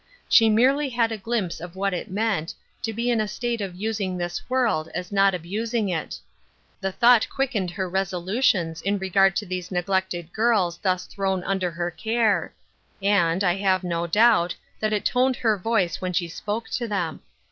She merely had a glimpse of what it meant, to be in a state of using this world as not abusing it. The thought quickened her resolutions in regard to those neglected girls thus thrown under her care, and, I have no doubt, that it toned her voice when she spoke to them.